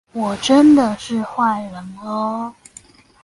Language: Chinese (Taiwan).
我真的是壞人喔